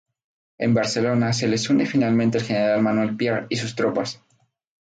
En Barcelona se les une finalmente el general Manuel Piar y sus tropas.